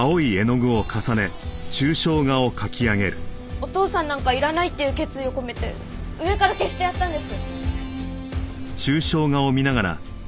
お父さんなんかいらないっていう決意を込めて上から消してやったんです。